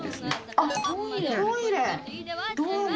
あっ。